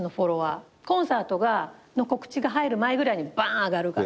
コンサートの告知が入る前ぐらいにばん上がるから。